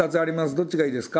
どっちがいいですか？」